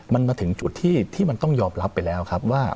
มันมาถึงจุดที่มันต้องยอมรับไปแล้วครับว่า